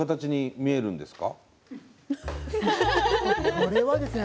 これはですね